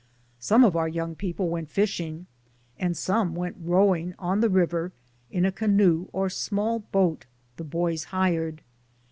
Some of our young people went fishing, and some went rowing on the river in a canoe or small boat the boys hired.